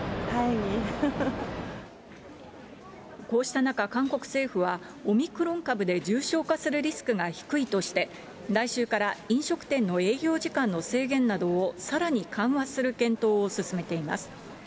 こうした中、韓国政府は、オミクロン株で重症化するリスクが低いとして、来週から飲食店の営業時間の制限などを、さらに緩和する検討を進めています。